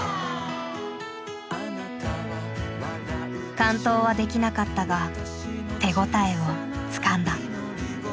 完登はできなかったが手応えをつかんだ。